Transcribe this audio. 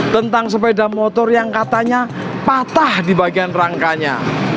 tentang sepeda motor yang katanya patah di bagian rangkanya